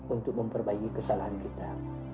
untuk memperbaiki kesalahan kita